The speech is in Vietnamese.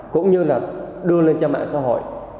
cũng như là đưa lên cho mạng xã hội